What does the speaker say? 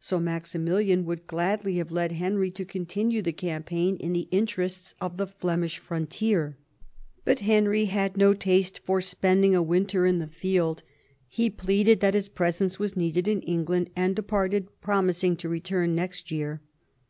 So Maximilian would gladly have led Henry to continue the campaign in the interests of the Flemish frontier. But Henry had no taste for spending a winter in the field; he y 26 THOMAS WOLSEY chap. pleaded that his presence was needed in England, Bud departed, promising to return next year.